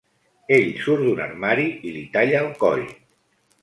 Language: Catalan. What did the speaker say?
Ell surt d'un armari i li talla el coll.